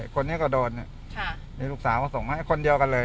คนนี้ก็โดนมีลูกสาวก็ส่งมาให้คนเดียวกันเลย